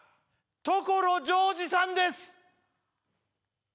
所ジョージさんです！